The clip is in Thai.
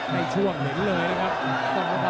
ในช่วงเห็นเลยนะครับ